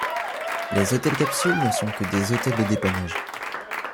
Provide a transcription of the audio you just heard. Les hôtels-capsule ne sont que des hôtels de dépannage.